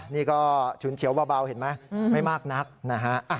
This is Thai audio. นี่ก็ฉุนเฉียวเบาเห็นไหมไม่มากนักนะฮะ